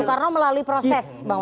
soekarno melalui proses bung maman